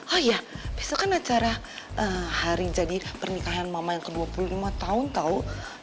oh iya besok kan acara hari jadi pernikahan mama yang ke dua puluh lima tahun tahu